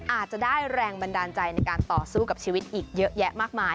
อาจจะได้แรงบันดาลใจในการต่อสู้กับชีวิตอีกเยอะแยะมากมาย